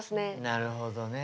なるほどね。